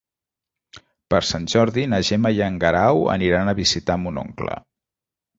Per Sant Jordi na Gemma i en Guerau aniran a visitar mon oncle.